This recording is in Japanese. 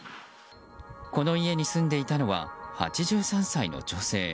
この家に住んでいたのは８３歳の女性。